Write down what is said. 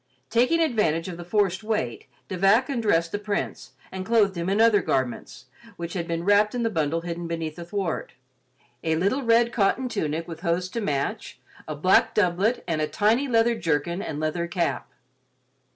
Taking advantage of the forced wait, De Vac undressed the Prince and clothed him in other garments, which had been wrapped in the bundle hidden beneath the thwart; a little red cotton tunic with hose to match, a black doublet and a tiny leather jerkin and leather cap.